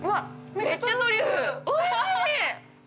めっちゃトリュフ！